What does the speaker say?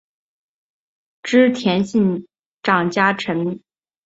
织田信长家臣。